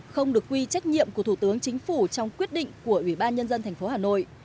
không được quy trách nhiệm của thủ tướng chính phủ trong quyết định của ubnd tp hà nội